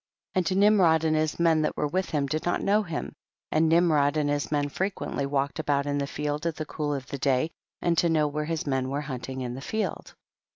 6. And Nimrod and his men that were with him did not know him, and Nimrod and his men frequently walked about in the field at the cool of the day, and to know where his men were hunting in the field.